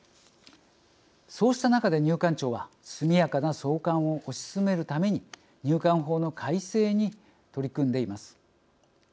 そうした中で入管庁は速やかな送還を推し進めるために入管法の改正に取り組んでいます。